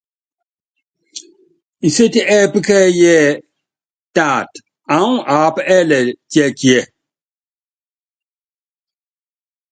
Nsétí ɛ́ɛ́pí kɛ́ɛ́yí ɛ́ɛ́: Taat aŋú aápa ɛɛlɛ tiɛkíɛ?